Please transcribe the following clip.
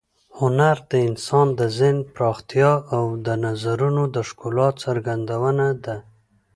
هنر د انسان د ذهن پراختیا او د نظرونو د ښکلا څرګندونه ده.